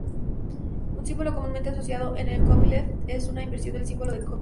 Un símbolo comúnmente asociado con copyleft es una inversión del símbolo de copyright.